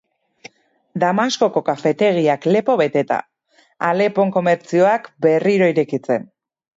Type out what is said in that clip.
Damaskoko kafetegiak lepo beteta, Alepon komertzioak berriro irekitzen...